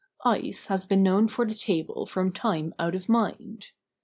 Ice has been known for the table from time out of mind.